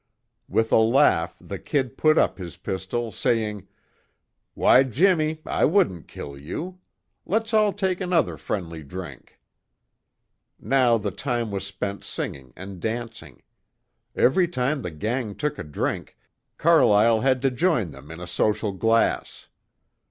With a laugh the "Kid" put up his pistol, saying, "Why, Jimmie, I wouldn't kill you. Let's all take another friendly drink." Now the time was spent singing and dancing. Every time the gang took a drink, Carlyle had to join them in a social glass.